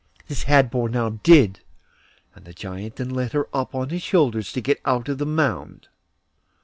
This Hadvor now did, and the Giant then let her get up on his shoulders to get out of the mound.